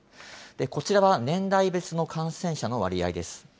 こちらは、年代別の感染者の割合です。